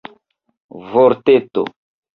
vorteto